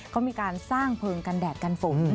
เขามีการสร้างเพลิงกันแดดกันฝน